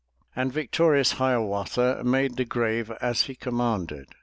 And victorious Hiawatha Made the grave as he commanded.